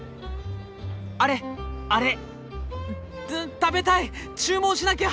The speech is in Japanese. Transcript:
アレアレ食べたい注文しなきゃ！